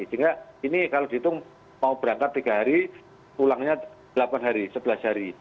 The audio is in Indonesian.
sehingga ini kalau dihitung mau berangkat tiga hari pulangnya delapan hari sebelas hari